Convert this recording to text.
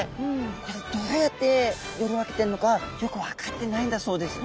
これどうやってより分けてるのかはよく分かってないんだそうです。